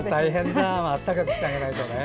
温かくしてあげないとね。